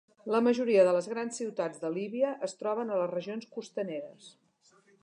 La majoria de les grans ciutats de Líbia es troben a les regions costaneres.